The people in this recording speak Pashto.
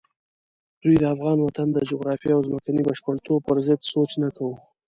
دوی د افغان وطن د جغرافیې او ځمکني بشپړتوب پرضد سوچ نه کوي.